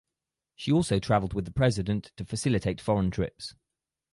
She also traveled with the president to facilitate foreign trips.